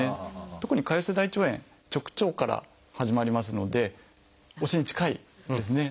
特に潰瘍性大腸炎直腸から始まりますのでお尻に近いんですね。